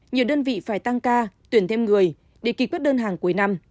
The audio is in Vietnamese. nhiều đơn vị phải tăng ca tuyển thêm người để kịch bất đơn hàng cuối năm